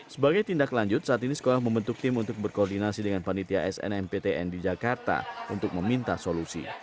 sebagai tindak lanjut saat ini sekolah membentuk tim untuk berkoordinasi dengan panitia snmptn di jakarta untuk meminta solusi